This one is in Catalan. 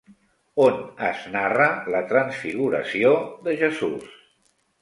On es narra la transfiguració de Jesús?